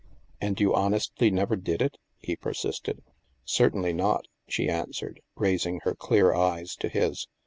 And you honestly never did it ?" he persisted. Certainly not," she answered, raising her clear eyes to his.